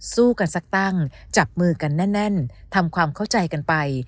สู้กันสักตั้งจับมือกันแน่นทำความเข้าใจกันไป